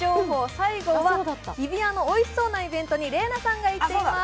最後は日比谷のおいしそうなイベントに麗菜さんが行っています。